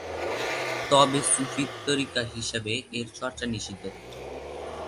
তবে সুফি তরিকা হিসেবে এর চর্চা নিষিদ্ধ থাকে।